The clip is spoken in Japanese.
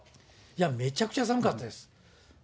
めちゃくちゃ寒かったです。